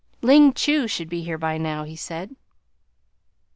"Ling Chu should be here by now," he said.